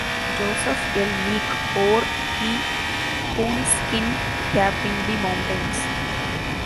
Joseph L. Meek wore the coonskin cap in the mountains.